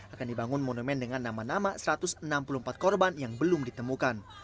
akan dibangun monumen dengan nama nama satu ratus enam puluh empat korban yang belum ditemukan